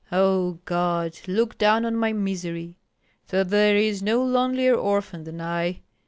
"O God, look down on my misery, for there is no lonelier orphan than I.